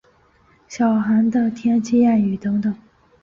小寒的天气谚语等等。